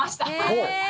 へえ！